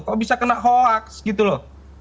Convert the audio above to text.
kok bisa kena hoax gitu loh